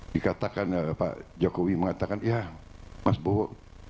dikatakan pak jokowi mengatakan ya mas bowo